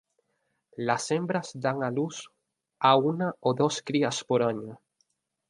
Las hembras dan a luz a una o dos crías por año.